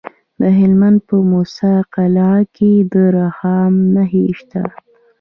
د هلمند په موسی قلعه کې د رخام نښې شته.